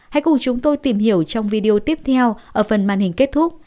hãy cùng chúng tôi tìm hiểu trong video tiếp theo ở phần màn hình kết thúc